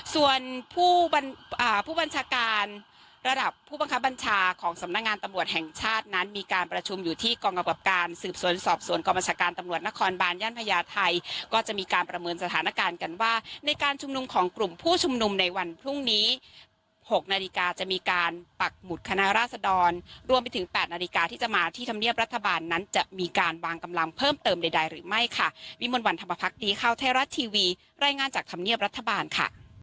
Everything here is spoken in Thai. ส่วนผู้บัญชาการระดับผู้บังคับบัญชาของสำนางานตำลวดแห่งชาตินั้นมีการประชุมอยู่ที่กองกระบบการสืบสวนสอบส่วนกองบัญชาการตำลวดนครบานย่านพญาไทยก็จะมีการประเมินสถานการณ์กันว่าในการชุมนุมของกลุ่มผู้ชุมนุมในวันพรุ่งนี้หกนาฬิกาจะมีการปักหมุดคณะราษดรรมรวมไปถึงแปด